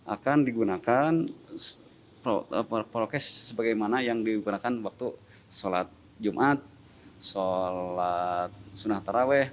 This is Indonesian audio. akan digunakan prokes sebagaimana yang digunakan waktu salat jumat